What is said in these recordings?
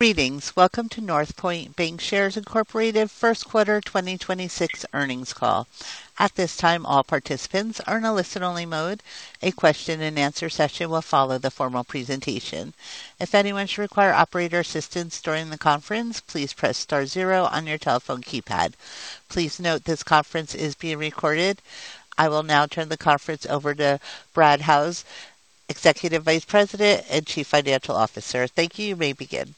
Greetings. Welcome to Northpointe Bancshares, Inc. first quarter 2026 earnings call. At this time, all participants are in a listen-only mode. A question-and-answer session will follow the formal presentation. If anyone should require operator assistance during the conference, please press star-zero on your telephone keypad. Please note this conference is being recorded. I will now turn the conference over to Brad Howes, Executive Vice President and Chief Financial Officer. Thank you. You may begin.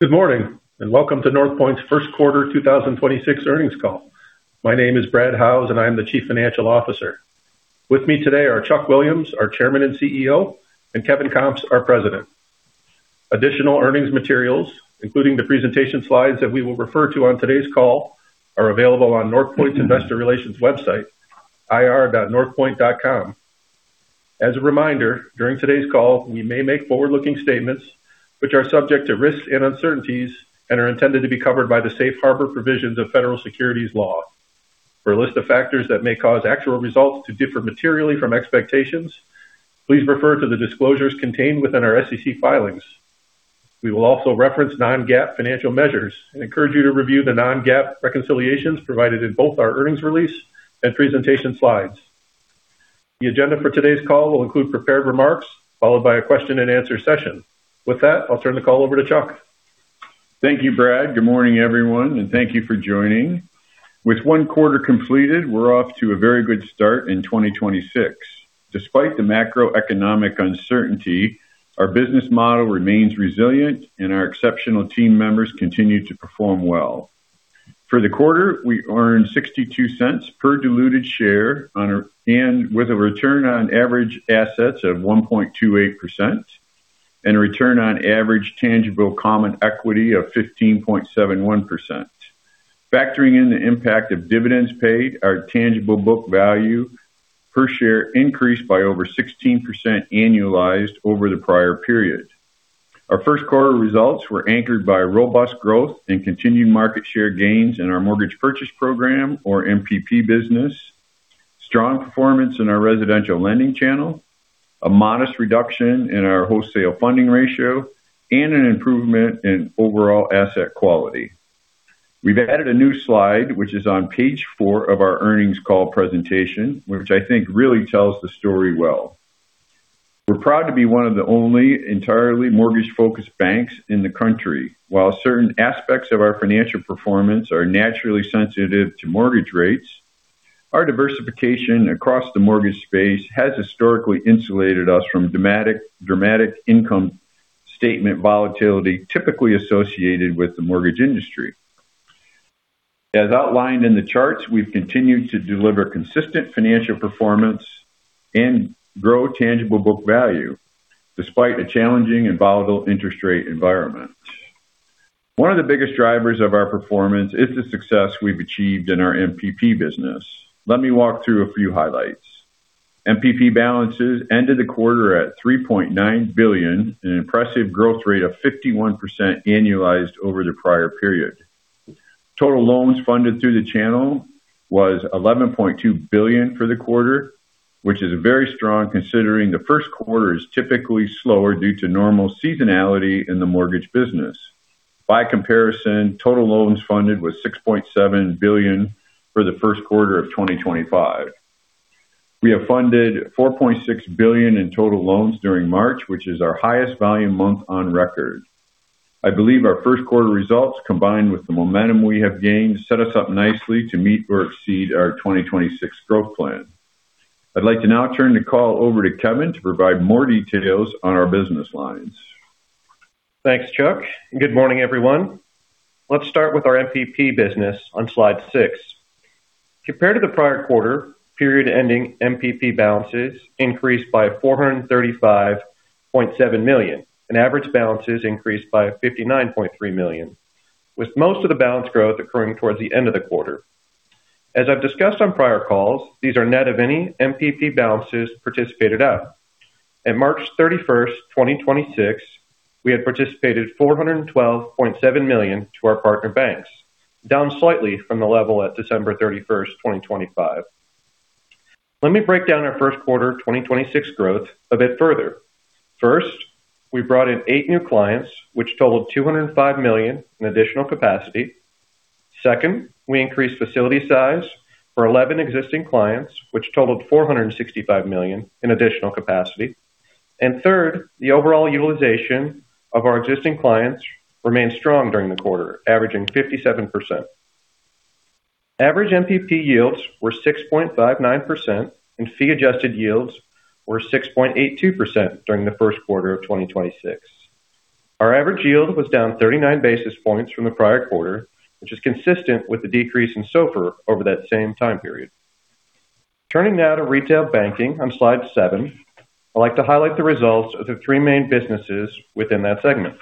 Good morning, and welcome to Northpointe's first quarter 2026 earnings call. My name is Brad Howes and I'm the Chief Financial Officer. With me today are Charles Williams, our Chairman and CEO, and Kevin Comps, our President. Additional earnings materials, including the presentation slides that we will refer to on today's call, are available on Northpointe's Investor Relations website, ir.northpointe.com. As a reminder, during today's call, we may make forward-looking statements, which are subject to risks and uncertainties and are intended to be covered by the safe harbor provisions of federal securities law. For a list of factors that may cause actual results to differ materially from expectations, please refer to the disclosures contained within our SEC filings. We will also reference non-GAAP financial measures and encourage you to review the non-GAAP reconciliations provided in both our earnings release and presentation slides. The agenda for today's call will include prepared remarks followed by a question-and-answer session. With that, I'll turn the call over to Chuck. Thank you, Brad. Good morning, everyone, and thank you for joining. With one quarter completed, we're off to a very good start in 2026. Despite the macroeconomic uncertainty, our business model remains resilient and our exceptional team members continue to perform well. For the quarter, we earned $0.62 per diluted share and with a return on average assets of 1.28% and a return on average tangible common equity of 15.71%. Factoring in the impact of dividends paid, our tangible book value per share increased by over 16% annualized over the prior period. Our first quarter results were anchored by robust growth and continued market share gains in our Mortgage Purchase Program or MPP business, strong performance in our residential lending channel, a modest reduction in our wholesale funding ratio, and an improvement in overall asset quality. We've added a new slide, which is on page 4 of our earnings call presentation, which I think really tells the story well. We're proud to be one of the only entirely mortgage-focused banks in the country. While certain aspects of our financial performance are naturally sensitive to mortgage rates, our diversification across the mortgage space has historically insulated us from dramatic income statement volatility typically associated with the mortgage industry. As outlined in the charts, we've continued to deliver consistent financial performance and grow tangible book value despite a challenging and volatile interest rate environment. One of the biggest drivers of our performance is the success we've achieved in our MPP business. Let me walk through a few highlights. MPP balances ended the quarter at $3.9 billion, an impressive growth rate of 51% annualized over the prior period. Total loans funded through the channel was $11.2 billion for the quarter, which is very strong considering the first quarter is typically slower due to normal seasonality in the mortgage business. By comparison, total loans funded was $6.7 billion for the first quarter of 2025. We have funded $4.6 billion in total loans during March, which is our highest volume month on record. I believe our first quarter results, combined with the momentum we have gained, set us up nicely to meet or exceed our 2026 growth plan. I'd like to now turn the call over to Kevin to provide more details on our business lines. Thanks, Chuck. Good morning, everyone. Let's start with our MPP business on slide six. Compared to the prior quarter, period-ending MPP balances increased by $435.7 million, and average balances increased by $59.3 million, with most of the balance growth occurring towards the end of the quarter. As I've discussed on prior calls, these are net of any MPP balances participated out. At March 31st, 2026, we had participated $412.7 million to our partner banks, down slightly from the level at December 31st, 2025. Let me break down our first quarter 2026 growth a bit further. First, we brought in eight new clients, which totaled $205 million in additional capacity. Second, we increased facility size for 11 existing clients, which totaled $465 million in additional capacity. Third, the overall utilization of our existing clients remained strong during the quarter, averaging 57%. Average MPP yields were 6.59%, and fee-adjusted yields were 6.82% during the first quarter of 2026. Our average yield was down 39 basis points from the prior quarter, which is consistent with the decrease in SOFR over that same time period. Turning now to retail banking on slide seven, I'd like to highlight the results of the three main businesses within that segment.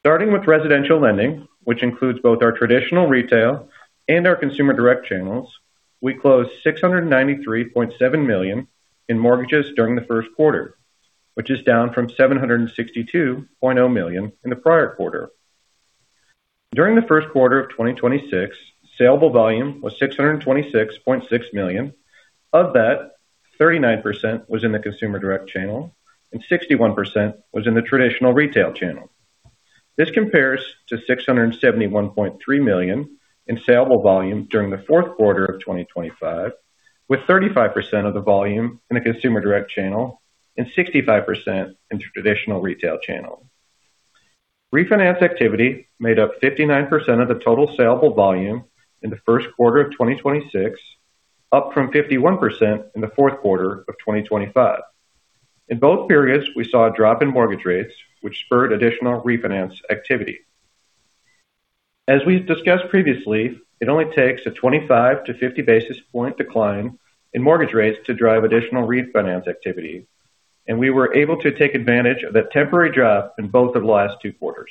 Starting with residential lending, which includes both our traditional retail and our consumer direct channels, we closed $693.7 million in mortgages during the first quarter, which is down from $762.0 million in the prior quarter. During the first quarter of 2026, saleable volume was $626.6 million. Of that, 39% was in the consumer direct channel and 61% was in the traditional retail channel. This compares to $671.3 million in saleable volume during the fourth quarter of 2025, with 35% of the volume in the consumer direct channel and 65% in traditional retail channel. Refinance activity made up 59% of the total saleable volume in the first quarter of 2026, up from 51% in the fourth quarter of 2025. In both periods, we saw a drop in mortgage rates, which spurred additional refinance activity. As we've discussed previously, it only takes a 25-50 basis point decline in mortgage rates to drive additional refinance activity, and we were able to take advantage of that temporary drop in both of the last two quarters.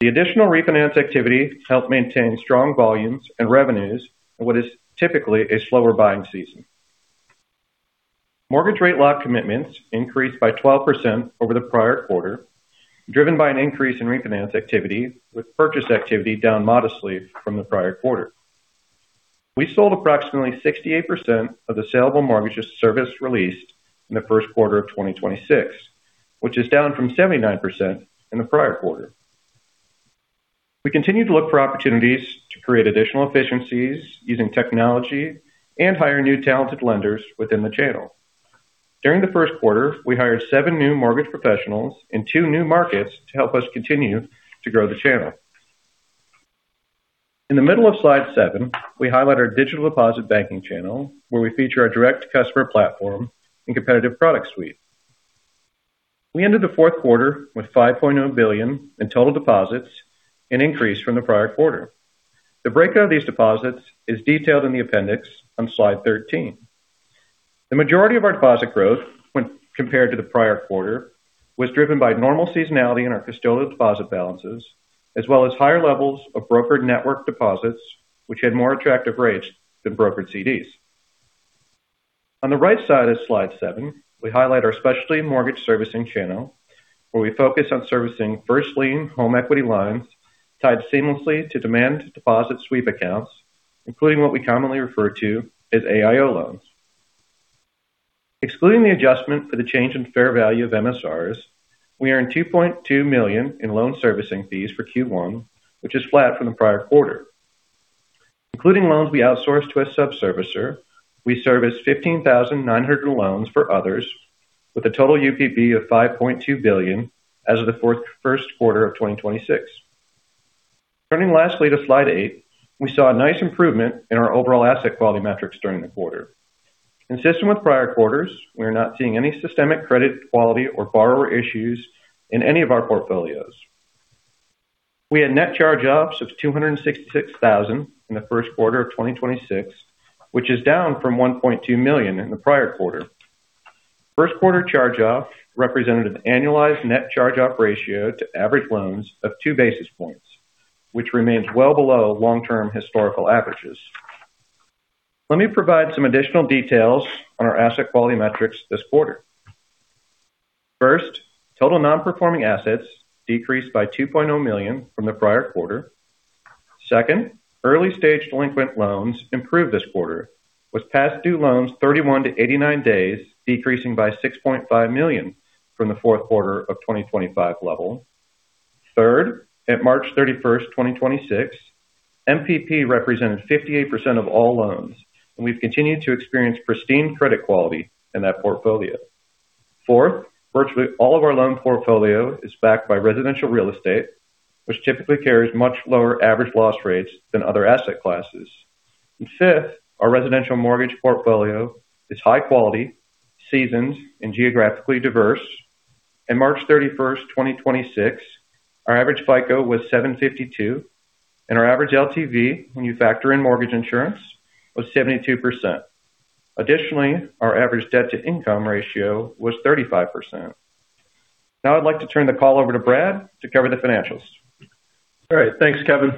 The additional refinance activity helped maintain strong volumes and revenues in what is typically a slower buying season. Mortgage rate lock commitments increased by 12% over the prior quarter, driven by an increase in refinance activity, with purchase activity down modestly from the prior quarter. We sold approximately 68% of the saleable mortgages, servicing released in the first quarter of 2026, which is down from 79% in the prior quarter. We continue to look for opportunities to create additional efficiencies using technology and hire new talented lenders within the channel. During the first quarter, we hired seven new mortgage professionals in two new markets to help us continue to grow the channel. In the middle of slide seven, we highlight our digital deposit banking channel, where we feature our direct customer platform and competitive product suite. We ended the fourth quarter with $5.0 billion in total deposits, an increase from the prior quarter. The breakout of these deposits is detailed in the appendix on slide 13. The majority of our deposit growth, when compared to the prior quarter, was driven by normal seasonality in our custodial deposit balances, as well as higher levels of brokered network deposits, which had more attractive rates than brokered CDs. On the right side of slide seven, we highlight our specialty mortgage servicing channel, where we focus on servicing first lien home equity lines tied seamlessly to demand deposit sweep accounts, including what we commonly refer to as AIO loans. Excluding the adjustment for the change in fair value of MSRs, we earned $2.2 million in loan servicing fees for Q1, which is flat from the prior quarter. Including loans we outsourced to a sub-servicer, we serviced 15,900 loans for others with a total UPB of $5.2 billion as of the first quarter of 2026. Turning lastly to slide eight. We saw a nice improvement in our overall asset quality metrics during the quarter. Consistent with prior quarters, we are not seeing any systemic credit quality or borrower issues in any of our portfolios. We had net charge-offs of $266,000 in the first quarter of 2026, which is down from $1.2 million in the prior quarter. First quarter charge-off represented an annualized net charge-off ratio to average loans of two basis points, which remains well below long-term historical averages. Let me provide some additional details on our asset quality metrics this quarter. First, total non-performing assets decreased by $2.0 million from the prior quarter. Second, early stage delinquent loans improved this quarter, with past due loans 31 to 89 days decreasing by $6.5 million from the fourth quarter of 2025 level. Third, at March 31st, 2026, MPP represented 58% of all loans, and we've continued to experience pristine credit quality in that portfolio. Fourth, virtually all of our loan portfolio is backed by residential real estate, which typically carries much lower average loss rates than other asset classes. Fifth, our residential mortgage portfolio is high quality, seasoned and geographically diverse. At March 31st, 2026, our average FICO was 752 and our average LTV, when you factor in mortgage insurance, was 72%. Additionally, our average debt-to-income ratio was 35%. Now I'd like to turn the call over to Brad to cover the financials. All right. Thanks, Kevin.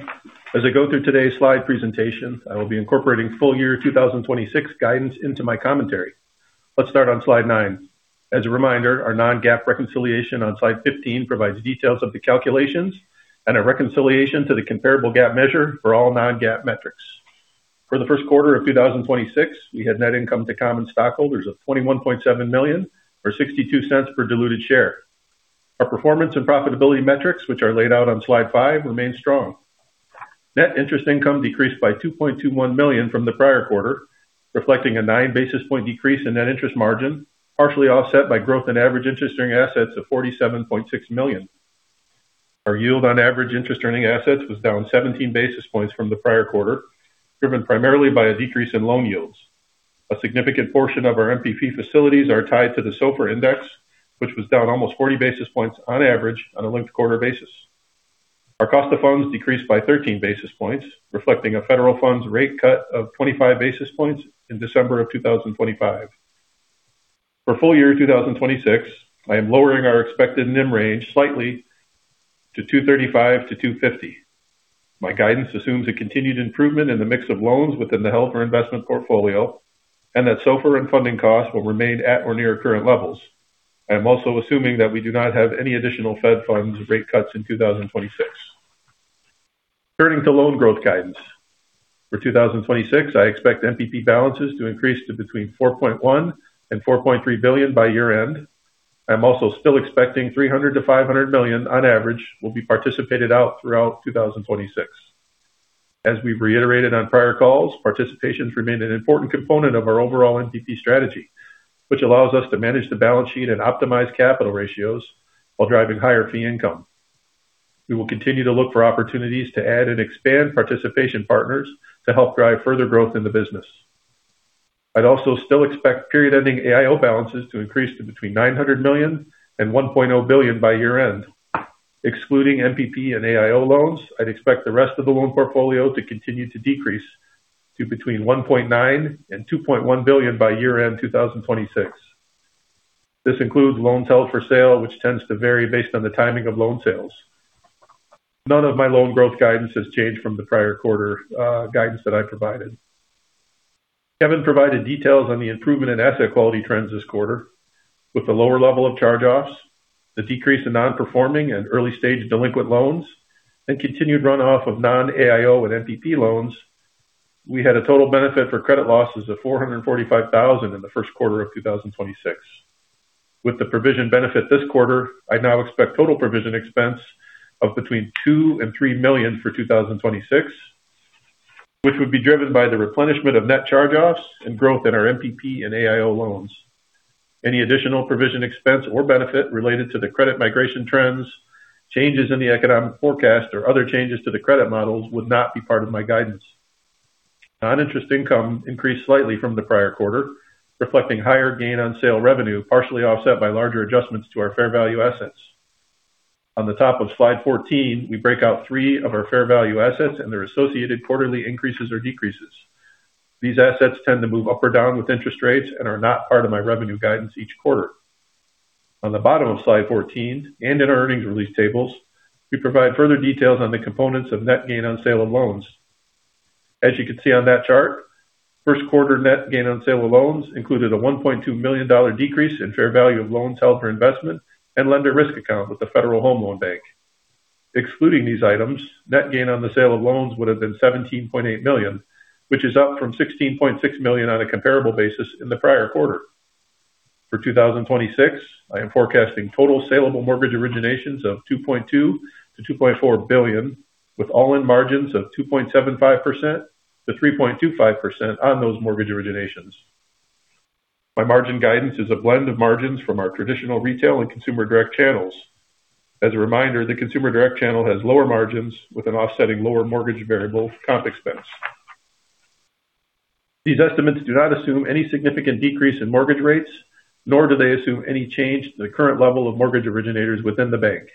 As I go through today's slide presentation, I will be incorporating full year 2026 guidance into my commentary. Let's start on slide nine. As a reminder, our non-GAAP reconciliation on slide 15 provides details of the calculations and a reconciliation to the comparable GAAP measure for all non-GAAP metrics. For the first quarter of 2026, we had net income to common stockholders of $21.7 million, or $0.62 per diluted share. Our performance and profitability metrics, which are laid out on slide five, remain strong. Net interest income decreased by $2.21 million from the prior quarter, reflecting a nine basis point decrease in net interest margin, partially offset by growth in average interest earning assets of $47.6 million. Our yield on average interest-earning assets was down 17 basis points from the prior quarter, driven primarily by a decrease in loan yields. A significant portion of our MPP facilities are tied to the SOFR index, which was down almost 40 basis points on average on a linked-quarter basis. Our cost of funds decreased by 13 basis points, reflecting a federal funds rate cut of 25 basis points in December of 2025. For full year 2026, I am lowering our expected NIM range slightly to 235-250. My guidance assumes a continued improvement in the mix of loans within the held-for-investment portfolio and that SOFR and funding costs will remain at or near current levels. I am also assuming that we do not have any additional Fed funds rate cuts in 2026. Turning to loan growth guidance. For 2026, I expect MPP balances to increase to between $4.1 billion and $4.3 billion by year-end. I'm also still expecting $300-$500 million on average will be participated out throughout 2026. As we've reiterated on prior calls, participations remain an important component of our overall MPP strategy, which allows us to manage the balance sheet and optimize capital ratios while driving higher fee income. We will continue to look for opportunities to add and expand participation partners to help drive further growth in the business. I'd also still expect period-ending AIO balances to increase to between $900 million and $1.0 billion by year-end. Excluding MPP and AIO loans, I'd expect the rest of the loan portfolio to continue to decrease to between $1.9 billion and $2.1 billion by year-end 2026. This includes loans held for sale, which tends to vary based on the timing of loan sales. None of my loan growth guidance has changed from the prior quarter guidance that I provided. Kevin provided details on the improvement in asset quality trends this quarter with a lower level of charge-offs, the decrease in non-performing and early-stage delinquent loans, and continued runoff of non-AIO and MPP loans. We had a total benefit for credit losses of $445,000 in the first quarter of 2026. With the provision benefit this quarter, I now expect total provision expense of between $2 million and $3 million for 2026, which would be driven by the replenishment of net charge-offs and growth in our MPP and AIO loans. Any additional provision expense or benefit related to the credit migration trends, changes in the economic forecast, or other changes to the credit models would not be part of my guidance. Non-interest income increased slightly from the prior quarter, reflecting higher gain on sale revenue, partially offset by larger adjustments to our fair value assets. On the top of slide 14, we break out three of our fair value assets and their associated quarterly increases or decreases. These assets tend to move up or down with interest rates and are not part of my revenue guidance each quarter. On the bottom of slide 14 and in our earnings release tables, we provide further details on the components of net gain on sale of loans. As you can see on that chart, first quarter net gain on sale of loans included a $1.2 million decrease in fair value of loans held for investment and lender risk account with the Federal Home Loan Bank. Excluding these items, net gain on the sale of loans would have been $17.8 million, which is up from $16.6 million on a comparable basis in the prior quarter. For 2026, I am forecasting total saleable mortgage originations of $2.2 billion-$2.4 billion, with all-in margins of 2.75%-3.25% on those mortgage originations. My margin guidance is a blend of margins from our traditional retail and consumer direct channels. As a reminder, the consumer direct channel has lower margins with an offsetting lower mortgage variable comp expense. These estimates do not assume any significant decrease in mortgage rates, nor do they assume any change to the current level of mortgage originators within the bank.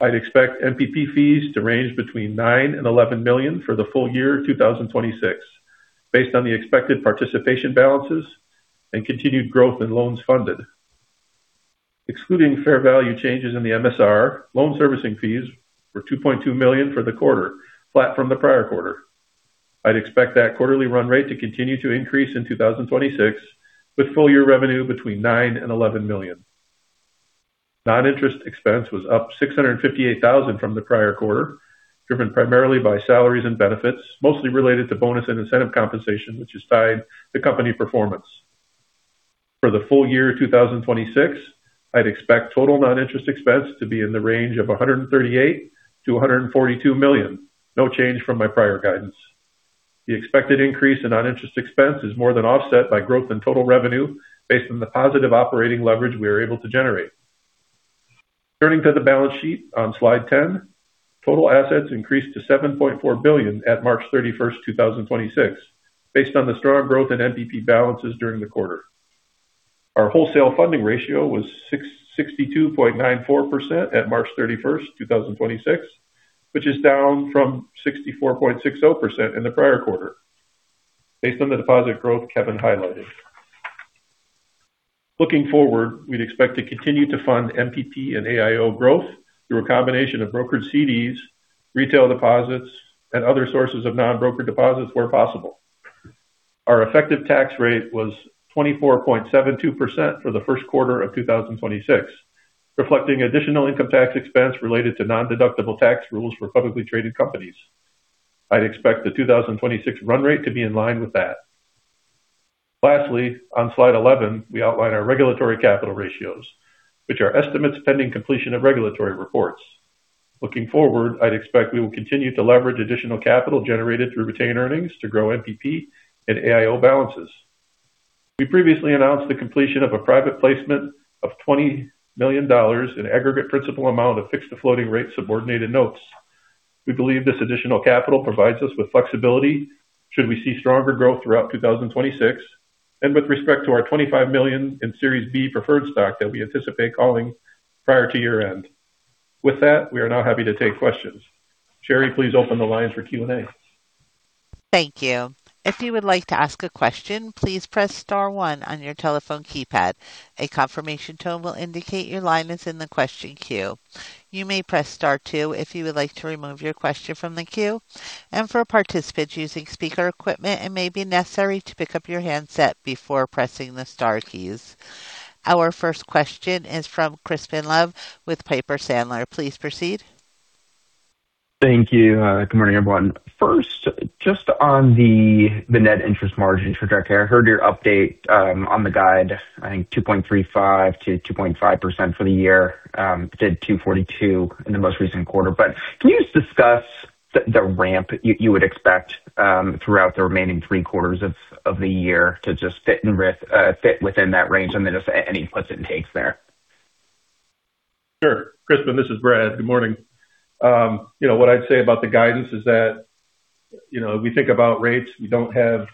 I'd expect MPP fees to range between $9 million-$11 million for the full year 2026, based on the expected participation balances and continued growth in loans funded. Excluding fair value changes in the MSR, loan servicing fees were $2.2 million for the quarter, flat from the prior quarter. I'd expect that quarterly run rate to continue to increase in 2026, with full year revenue between $9 million and $11 million. Non-interest expense was up $658,000 from the prior quarter, driven primarily by salaries and benefits, mostly related to bonus and incentive compensation, which is tied to company performance. For the full year 2026, I'd expect total non-interest expense to be in the range of $138 million-$142 million. No change from my prior guidance. The expected increase in non-interest expense is more than offset by growth in total revenue based on the positive operating leverage we are able to generate. Turning to the balance sheet on slide 10. Total assets increased to $7.4 billion at March 31st, 2026, based on the strong growth in MPP balances during the quarter. Our wholesale funding ratio was 62.94% at March 31st, 2026, which is down from 64.60% in the prior quarter based on the deposit growth Kevin highlighted. Looking forward, we'd expect to continue to fund MPP and AIO growth through a combination of brokered CDs, retail deposits, and other sources of non-brokered deposits where possible. Our effective tax rate was 24.72% for the first quarter of 2026, reflecting additional income tax expense related to non-deductible tax rules for publicly traded companies. I'd expect the 2026 run rate to be in line with that. Lastly, on slide 11, we outline our regulatory capital ratios, which are estimates pending completion of regulatory reports. Looking forward, I'd expect we will continue to leverage additional capital generated through retained earnings to grow MPP and AIO balances. We previously announced the completion of a private placement of $20 million in aggregate principal amount of fixed to floating rate subordinated notes. We believe this additional capital provides us with flexibility should we see stronger growth throughout 2026 and with respect to our $25 million in Series B preferred stock that we anticipate calling prior to year-end. With that, we are now happy to take questions. Sherry, please open the lines for Q&A. Thank you. If you would like to ask a question, please press star-one on your telephone keypad. A confirmation tone will indicate your line is in the question queue. You may press star-two if you would like to remove your question from the queue. For participants using speaker equipment, it may be necessary to pick up your handset before pressing the star keys. Our first question is from Crispin Love with Piper Sandler. Please proceed. Thank you. Good morning, everyone. First, just on the net interest margin trajectory, I heard your update on the guide, I think 2.35%-2.5% for the year. Did 2.42% in the most recent quarter. Can you just discuss the ramp you would expect throughout the remaining three quarters of the year to just fit within that range? And then if any puts and takes there? Sure. Crispin, this is Brad. Good morning. What I'd say about the guidance is that we think about rates. We don't have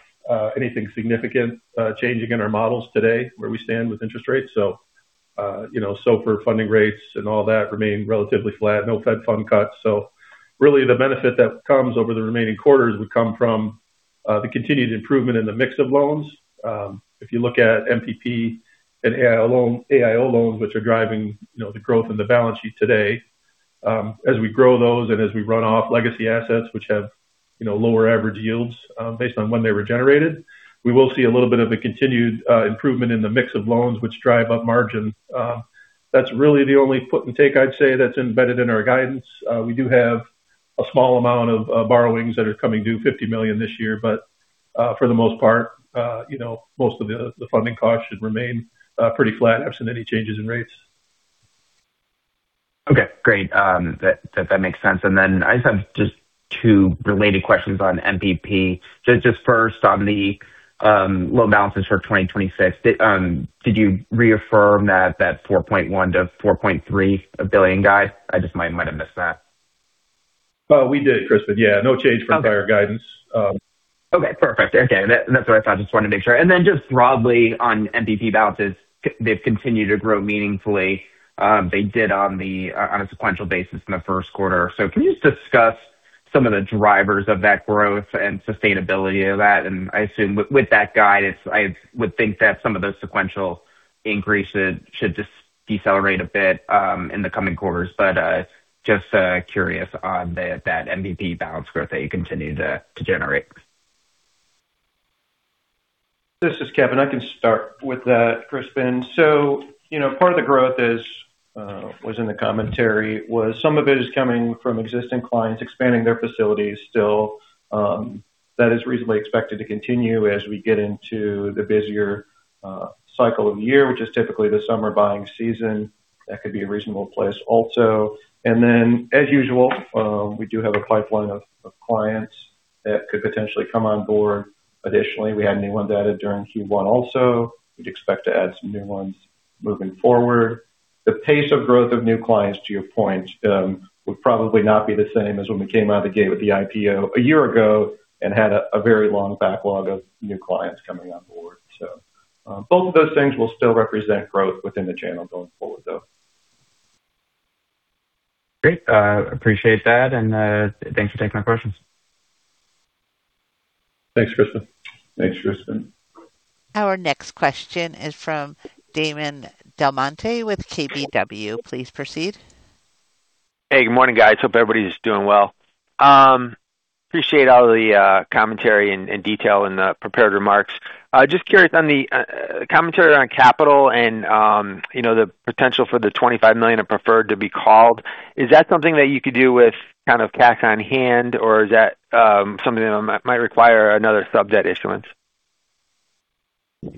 anything significant changing in our models today where we stand with interest rates. For funding rates and all that remain relatively flat, no Fed fund cuts. Really the benefit that comes over the remaining quarters would come from the continued improvement in the mix of loans. If you look at MPP and AIO loans, which are driving the growth in the balance sheet today. As we grow those and as we run off legacy assets which have lower average yields based on when they were generated, we will see a little bit of a continued improvement in the mix of loans which drive up margins. That's really the only put and take I'd say that's embedded in our guidance. We do have a small amount of borrowings that are coming due, $50 million this year. For the most part, most of the funding costs should remain pretty flat absent any changes in rates. Okay, great. That makes sense. Then I just have two related questions on MPP. Just first on the loan balances for 2026. Did you reaffirm that $4.1 billion-$4.3 billion guide? I just might have missed that. We did, Crispin. Yeah. No change from prior guidance. Okay, perfect. Okay, that's what I thought. Just wanted to make sure. Then just broadly on MPP balances, they've continued to grow meaningfully. They did on a sequential basis in the first quarter. Can you just discuss some of the drivers of that growth and sustainability of that? I assume with that guidance, I would think that some of those sequential increases should just decelerate a bit in the coming quarters. Just curious on that MPP balance growth that you continue to generate. This is Kevin. I can start with that, Crispin. Part of the growth, as in the commentary, was some of it is coming from existing clients expanding their facilities still. That is reasonably expected to continue as we get into the busier cycle of the year, which is typically the summer buying season. That could be a reasonable pace also. As usual, we do have a pipeline of clients that could potentially come on board. Additionally, we had new ones added during Q1 also. We'd expect to add some new ones moving forward. The pace of growth of new clients, to your point, would probably not be the same as when we came out of the gate with the IPO a year ago and had a very long backlog of new clients coming on board. Both of those things will still represent growth within the channel going forward, though. Great. I appreciate that, and thanks for taking my questions. Thanks, Crispin. Thanks, Crispin. Our next question is from Damon DelMonte with KBW. Please proceed. Hey, good morning, guys. Hope everybody's doing well. Appreciate all the commentary and detail in the prepared remarks. Just curious on the commentary around capital and the potential for the $25 million of preferred to be called. Is that something that you could do with kind of cash on hand, or is that something that might require another sub debt issuance?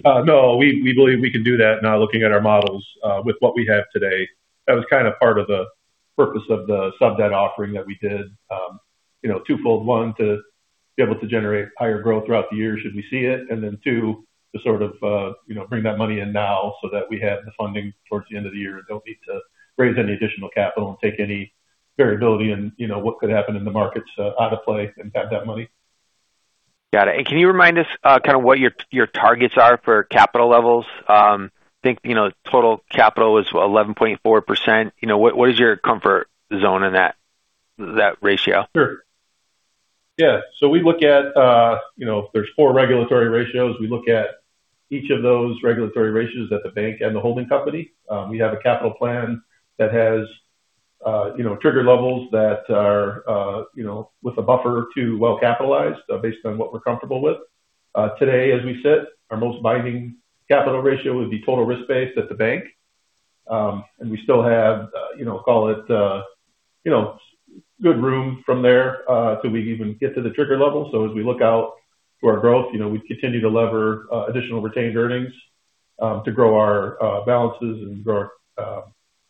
No. We believe we can do that now looking at our models with what we have today. That was kind of part of the purpose of the sub debt offering that we did. Twofold. One, to be able to generate higher growth throughout the year should we see it, and then two, to sort of bring that money in now so that we have the funding towards the end of the year and don't need to raise any additional capital and take any variability in what could happen in the markets out of play and have that money. Got it. Can you remind us kind of what your targets are for capital levels? I think total capital is 11.4%. What is your comfort zone in that ratio? Sure. Yeah. There's four regulatory ratios. We look at each of those regulatory ratios at the bank and the holding company. We have a capital plan that has trigger levels that are with a buffer to well-capitalized based on what we're comfortable with. Today, as we sit, our most binding capital ratio would be total risk-based at the bank. We still have, call it good room from there till we even get to the trigger level. As we look out to our growth, we continue to leverage additional retained earnings to grow our balances and grow our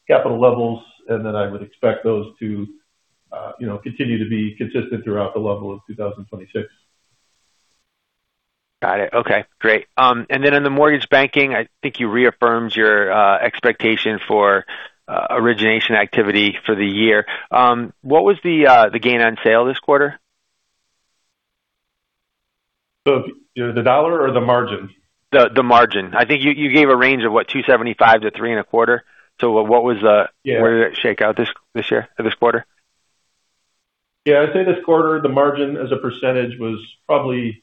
capital levels. Then I would expect those to continue to be consistent throughout the level of 2026. Got it. Okay, great. In the mortgage banking, I think you reaffirmed your expectation for origination activity for the year. What was the gain on sale this quarter? The dollar or the margin? The margin. I think you gave a range of what, 2.75%-3.25%? Where did that shake out this year for this quarter? Yeah. I'd say this quarter the margin as a percentage was probably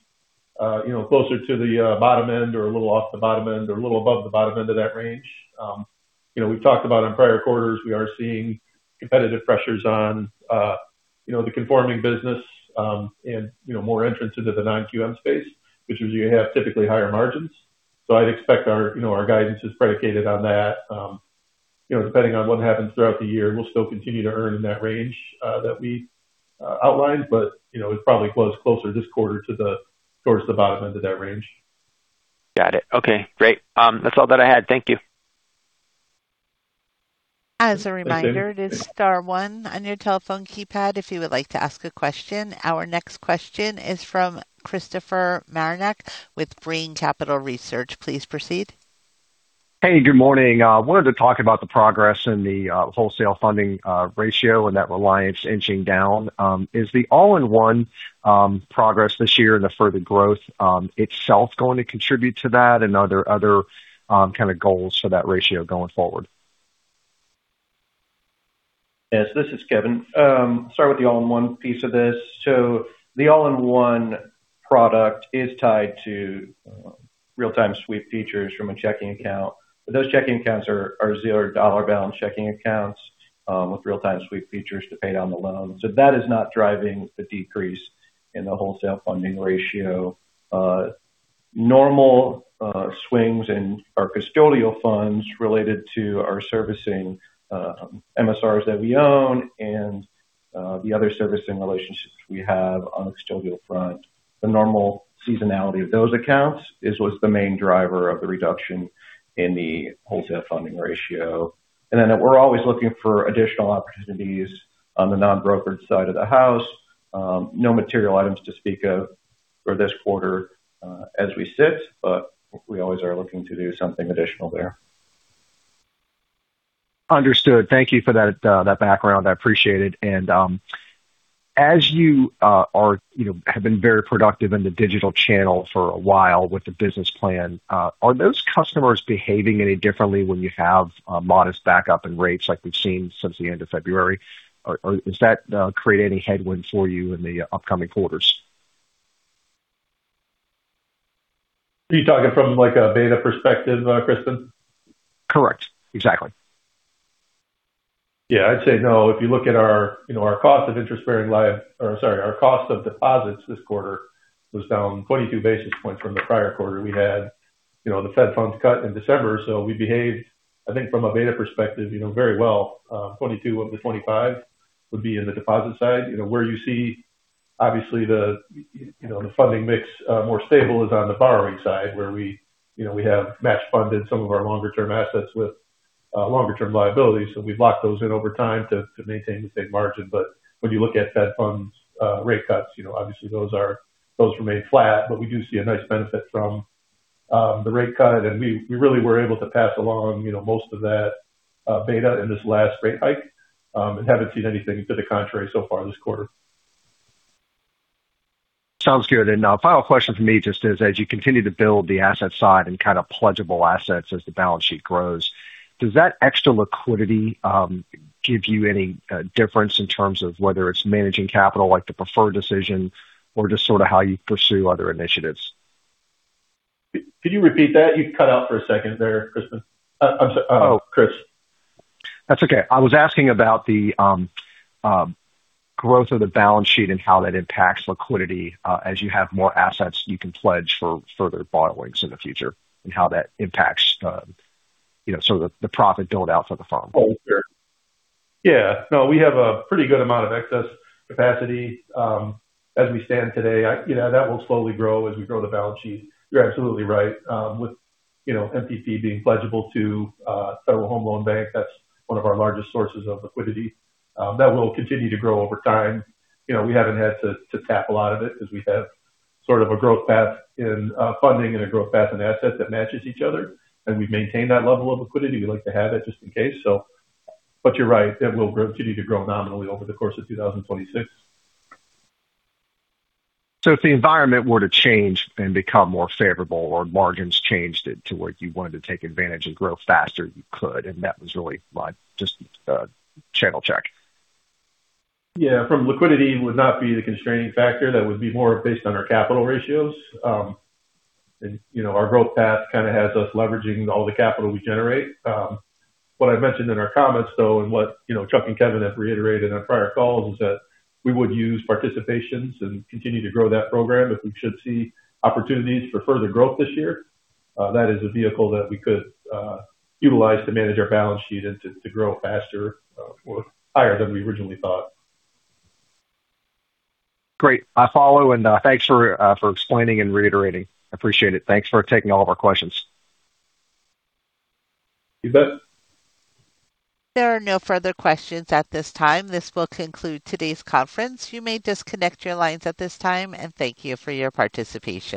closer to the bottom end or a little off the bottom end or a little above the bottom end of that range. We've talked about in prior quarters, we are seeing competitive pressures on the conforming business, and more entrants into the non-QM space, which is where you have typically higher margins. I'd expect our guidance is predicated on that. Depending on what happens throughout the year, we'll still continue to earn in that range that we outlined. It probably was closer this quarter towards the bottom end of that range. Got it. Okay, great. That's all that I had. Thank you. Thanks, Damon. As a reminder, it is star-one on your telephone keypad if you would like to ask a question. Our next question is from Christopher Marinac with Brean Capital Research. Please proceed. Hey, good morning. I wanted to talk about the progress in the wholesale funding ratio and that reliance inching down. Is the All-in-One progress this year and the further growth itself going to contribute to that? Are there other kind of goals for that ratio going forward? Yes. This is Kevin. Start with the All-in-One piece of this. The All-in-One product is tied to real-time sweep features from a checking account. Those checking accounts are $0 balance checking accounts with real-time sweep features to pay down the loan. That is not driving the decrease in the wholesale funding ratio. Normal swings in our custodial funds related to our servicing MSRs that we own and the other servicing relationships we have on the custodial front, the normal seasonality of those accounts, is what's the main driver of the reduction in the wholesale funding ratio. Then we're always looking for additional opportunities on the non-brokered side of the house. No material items to speak of for this quarter as we sit, but we always are looking to do something additional there. Understood. Thank you for that background. I appreciate it. As you have been very productive in the digital channel for a while with the business plan, are those customers behaving any differently when you have modest backup in rates like we've seen since the end of February? Does that create any headwind for you in the upcoming quarters? Are you talking from a beta perspective, Christopher? Correct. Exactly. Yeah, I'd say no. If you look at our cost of deposits this quarter was down 22 basis points from the prior quarter. We had the Fed funds cut in December. We behaved, I think, from a beta perspective, very well. 22 of the 25 would be in the deposit side. Where you see obviously the funding mix more stable is on the borrowing side, where we have match funded some of our longer-term assets with longer-term liabilities. We've locked those in over time to maintain the same margin. When you look at Fed funds rate cuts, obviously those remain flat. We do see a nice benefit from the rate cut, and we really were able to pass along most of that beta in this last rate hike. Haven't seen anything to the contrary so far this quarter. Sounds good. Final question from me just is, as you continue to build the asset side and kind of pledgeable assets as the balance sheet grows, does that extra liquidity give you any difference in terms of whether it's managing capital like the preferred decision or just sort of how you pursue other initiatives? Could you repeat that? You cut out for a second there, Christopher. I'm sorry, Chris. That's okay. I was asking about the growth of the balance sheet and how that impacts liquidity as you have more assets you can pledge for further borrowings in the future, and how that impacts the profit build-out for the firm. Yeah. No, we have a pretty good amount of excess capacity as we stand today. That will slowly grow as we grow the balance sheet. You're absolutely right. With MPP being pledgeable to Federal Home Loan Banks, that's one of our largest sources of liquidity. That will continue to grow over time. We haven't had to tap a lot of it because we have sort of a growth path in funding and a growth path in assets that matches each other, and we've maintained that level of liquidity. We like to have it just in case. You're right, that will continue to grow nominally over the course of 2026. If the environment were to change and become more favorable or margins changed to where you wanted to take advantage and grow faster, you could, and that was really my just channel check. Yeah. Liquidity would not be the constraining factor. That would be more based on our capital ratios. Our growth path kind of has us leveraging all the capital we generate. What I mentioned in our comments, though, and what Chuck and Kevin have reiterated on prior calls is that we would use participations and continue to grow that program if we should see opportunities for further growth this year. That is a vehicle that we could utilize to manage our balance sheet and to grow faster or higher than we originally thought. Great. I follow and thanks for explaining and reiterating. I appreciate it. Thanks for taking all of our questions. You bet. There are no further questions at this time. This will conclude today's conference. You may disconnect your lines at this time, and thank you for your participation.